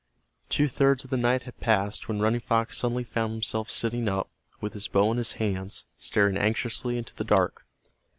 Two thirds of the night had passed when Running Fox suddenly found himself sitting up, with his bow in his hands, staring anxiously into the dark.